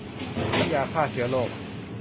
น้ำยาฆ่าเชื้อโรค